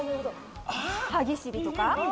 歯ぎしりとか。